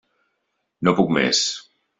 No puc més!